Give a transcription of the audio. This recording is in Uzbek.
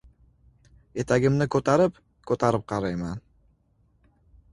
Etagimni ko‘tarib-ko‘tarib qarayman.